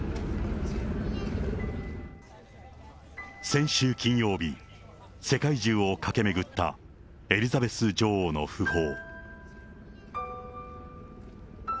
先週金曜日、世界中を駆け巡ったエリザベス女王の訃報。